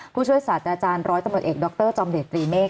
ผู้ช่วยศาสตราจารย์ร้อยตำรวจเอกดรจอมเดชตรีเมฆ